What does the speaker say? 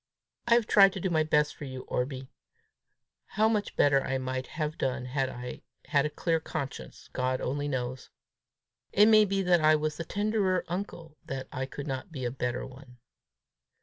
I have tried to do my best for you, Orbie: how much better I might have done had I had a clear conscience, God only knows. It may be that I was the tenderer uncle that I could not be a better one."